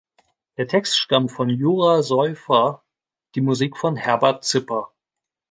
Der Text stammt von Jura Soyfer, die Musik von Herbert Zipper.